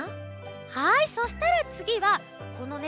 はいそしたらつぎはこのね